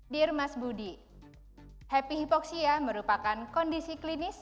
dear mas budi happy hypoxia merupakan kondisi klinis